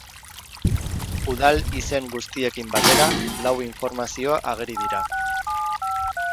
Udal izen guztiekin batera, lau informazio ageri dira.